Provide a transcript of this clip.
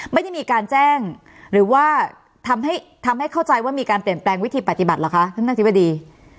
ไม่ได้มีการแจ้งหรือว่าทำให้เข้าใจว่ามีการเปลี่ยนแปลงวิธีปฏิบัติเหรอคะท่านอธิบดี